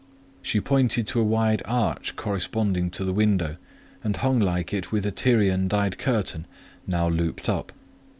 She pointed to a wide arch corresponding to the window, and hung like it with a Tyrian dyed curtain, now looped up.